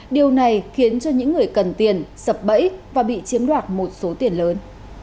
điều này khiến cho những người cần tiền sập bẫy và bị chiếm đoạt một số tiền lớn